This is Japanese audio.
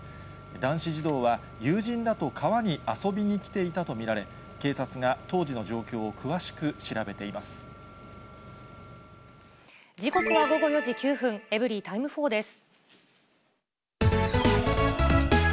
男子児童は友人らと川に遊びに来ていたと見られ、警察が当時の状時刻は午後４時９分、エブリィタイム４です。